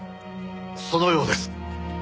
そのようです。